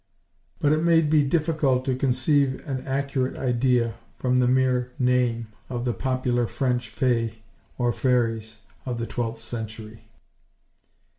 but it may be difficult to conceive an accurate idea, from the mere name, of the popular French fays or fairies of the twelfth century.